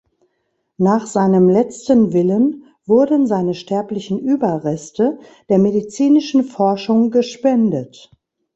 Nach seinem letzten Willen wurden seine sterblichen Überreste der medizinischen Forschung gespendet.